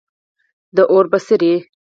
د اور بڅری